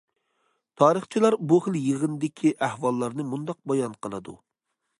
تارىخچىلار بۇ خىل يىغىندىكى ئەھۋاللارنى مۇنداق بايان قىلىدۇ.